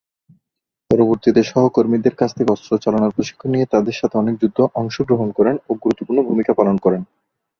পরবর্তীতে সহকর্মীদের কাছ থেকে অস্ত্র চালনার প্রশিক্ষণ নিয়ে তাদের সাথে অনেক যুদ্ধে অংশগ্রহণ করেন ও গুরুত্বপূর্ণ ভূমিকা পালন করেন।